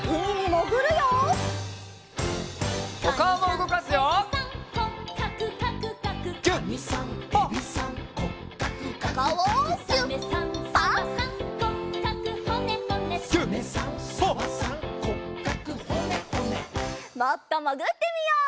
もっともぐってみよう。